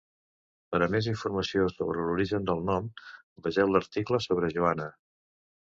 Per a més informació sobre l'origen del nom, vegeu l'article sobre Joanna.